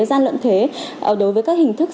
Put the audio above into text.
gian luận thuế đối với các hình thức